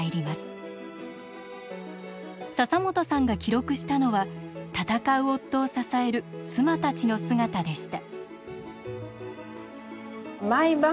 笹本さんが記録したのは闘う夫を支える妻たちの姿でした。